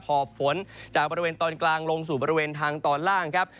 อบฝนจากบริเวณตอนกลางลงสู่บริเวณทางตอนล่างครับ